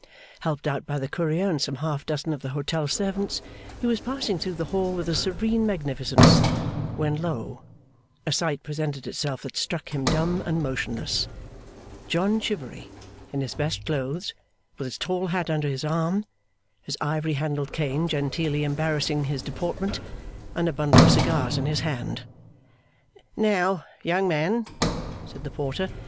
Helped out by the Courier and some half dozen of the hotel servants, he was passing through the hall with a serene magnificence, when lo! a sight presented itself that struck him dumb and motionless. John Chivery, in his best clothes, with his tall hat under his arm, his ivory handled cane genteelly embarrassing his deportment, and a bundle of cigars in his hand! 'Now, young man,' said the porter.